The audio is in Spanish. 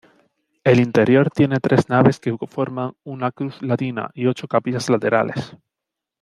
El interior tiene tres naves que forman una cruz latina, y ocho capillas laterales.